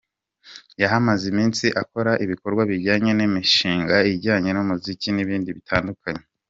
Yahamaze iminsi akora ibikorwa bijyanye n’imishinga ijyanye n’umuziki n’ibindi bitandukanye.